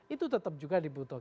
itu tetap juga dibutuhkan